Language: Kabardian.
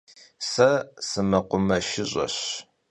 Se sımekhumeşşış'eş.